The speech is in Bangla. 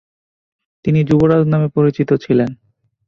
তিনি “যুবরাজ” নামে পরিচিত ছিলেন।